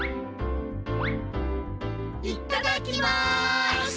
いただきます！